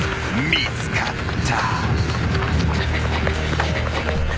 ［見つかった］